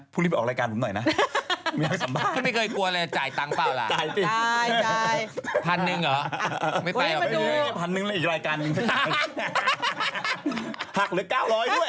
พรุ่งนี้ไปเอารายการกันหน่อยนะ